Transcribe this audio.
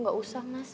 gak usah mas